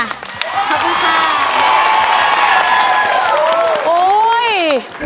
ขอบคุณค่ะ